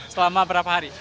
selama berapa hari